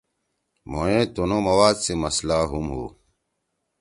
مھوئے تُنُو مواد سی مسئلہ ہُم ہُو۔